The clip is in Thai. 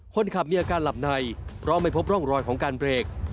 คนขับมีอาการหลับในเพราะไม่พบร่องรอยของการเบรก